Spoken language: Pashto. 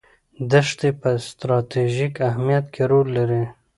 دښتې په ستراتیژیک اهمیت کې رول لري.